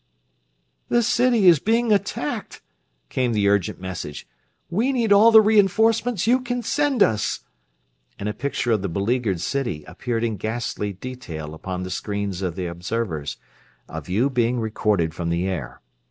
"The city is being attacked!" came the urgent message. "We need all the reinforcements you can send us!" and a picture of the beleaguered city appeared in ghastly detail upon the screens of the observers; a view being recorded from the air.